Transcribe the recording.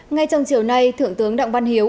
ngay trong chiều nay thượng tướng đặng ban hiếu